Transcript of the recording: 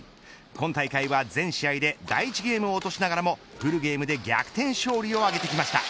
今大会は全試合で第１ゲームを落としながらもフルゲームで逆転勝利を挙げてきました。